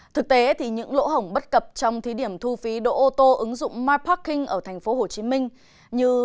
thực tế thì những lỗ hỏng bất cập trong thí điểm thu phí đỗ ô tô ứng dụng myparking ở tp hcm như